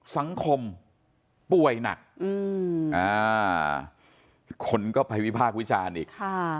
สังคมป่วยหนักคนก็ไปวิพากษ์วิจารณ์อีก